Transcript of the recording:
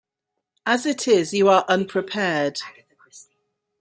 As it is, you are unprepared.